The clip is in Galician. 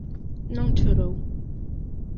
Non chorou.